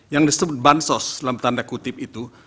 yang disebut bansos dalam tanda kutip itu